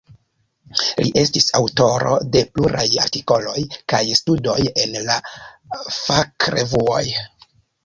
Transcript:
Li estis aŭtoro de pluraj artikoloj kaj studoj en la fakrevuoj.